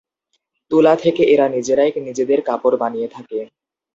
তুলা থেকে এরা নিজেরাই নিজেদের কাপড় বানিয়ে থাকে।